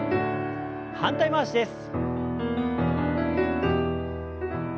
反対回しです。